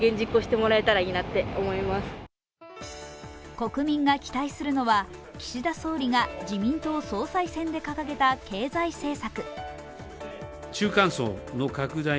国民が期待するのは岸田総理が自民党総裁選で掲げた経済政策。